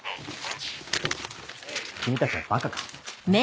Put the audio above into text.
君たちはバカか。